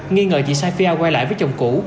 nghi ngờ chị safia quay lại với chồng cũ